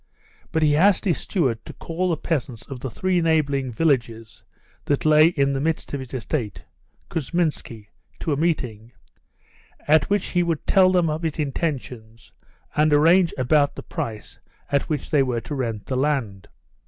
But he asked his steward to call the peasants of the three neighbouring villages that lay in the midst of his estate (Kousminski) to a meeting, at which he would tell them of his intentions and arrange about the price at which they were to rent the land.